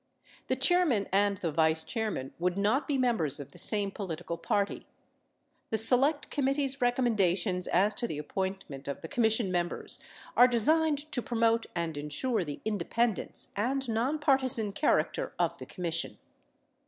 The chairman and the vice chairman would not be members of the same political party. The Select Committee's recommendations as to the appointment of the Commission members are designed to promote and insure the independence and nonpartisan character of the Commission.